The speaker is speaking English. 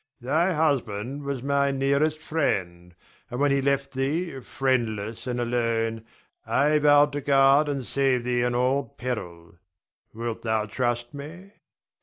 Thy husband was my nearest friend; and, when he left thee friendless and alone, I vowed to guard and save thee in all peril. Wilt thou trust me?